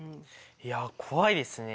いや怖いですね。